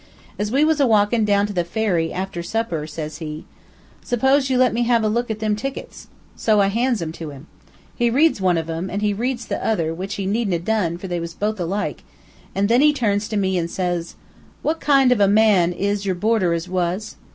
"As we was a walkin' down to the ferry, after supper, says he: "'Suppose you let me have a look at them tickets.' "So I hands 'em to him. He reads one of 'em, and then he reads the other, which he needn't 'a' done, for they was both alike, an' then he turns to me, an' says he: "'What kind of a man is your boarder as was?'